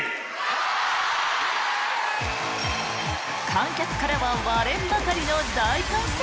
観客からは割れんばかりの大歓声。